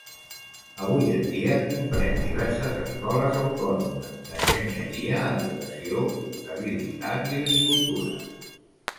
Avui en dia, comprèn diverses escoles autònomes d'enginyeria, educació, comptabilitat i agricultura.